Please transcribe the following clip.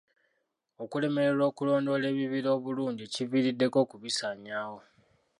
Okulemererwa okulondoola ebibira obulungi kiviiriddeko okubisaanyaawo.